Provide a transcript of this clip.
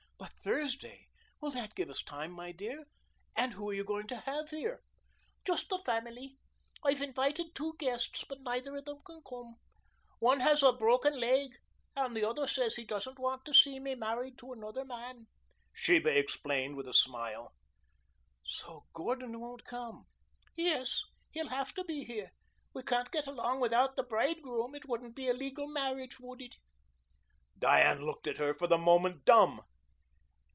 "But Thursday. Will that give us time, my dear? And who are you going to have here?" "Just the family. I've invited two guests, but neither of them can come. One has a broken leg and the other says he doesn't want to see me married to another man," Sheba explained with a smile. "So Gordon won't come." "Yes. He'll have to be here. We can't get along without the bridegroom. It wouldn't be a legal marriage, would it?" Diane looked at her, for the moment dumb.